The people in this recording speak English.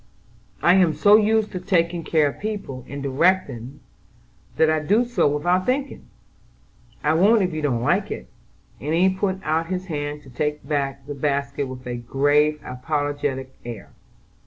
"I am so used to taking care of people, and directing, that I do so without thinking. I won't if you don't like it," and he put out his hand to take back the basket with a grave, apologetic air.